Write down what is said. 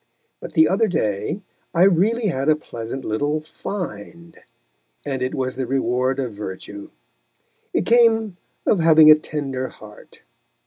But the other day I really had a pleasant little "find," and it was the reward of virtue. It came of having a tender heart.